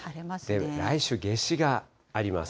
来週、夏至があります。